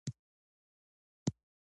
هغه ماشوم چې خندل، خوښ و.